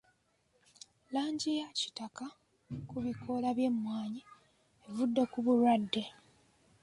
Langi ya kitaka ku bikoola by'emmwanyi evudde ku bulwadde.